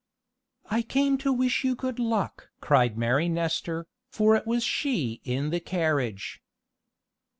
"I came to wish you good luck!" cried Mary Nestor, for it was she in the carriage.